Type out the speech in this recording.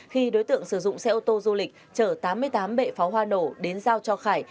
khi đối tượng sử dụng xe ô tô du lịch chở tám mươi tám bệ pháo hoa nổ đến giao cho khải